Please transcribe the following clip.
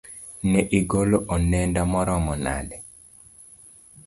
ne igolo onenda maromo nade?